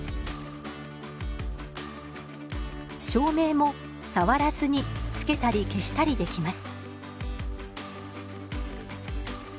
照明も触らずにつけたり消したりできます。